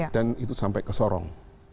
dan itu sampai ke sorong